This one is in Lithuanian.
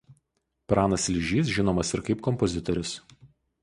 Pranas Sližys žinomas ir kaip kompozitorius.